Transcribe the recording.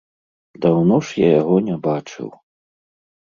Даўно ж я яго не бачыў.